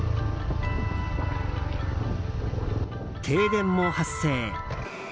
停電も発生。